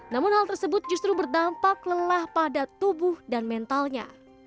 namun hal tersebut justru berdampak lelah pada tubuh dan mentalnya